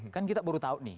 kan kita baru tahu nih